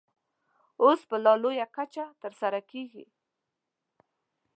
اوس په لا لویه کچه ترسره کېږي.